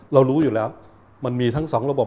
รู้อยู่แล้วมันมีทั้งสองระบบ